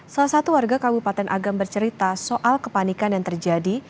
salah satu warga kabupaten agam bercerita soal kepanikan yang terjadi